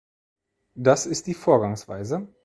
Das ist die Vorgangsweise.